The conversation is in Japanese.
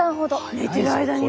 寝てる間にだ！